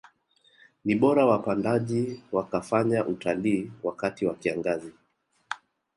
Ni bora wapandaji wakafanya utalii wakati wa kiangazi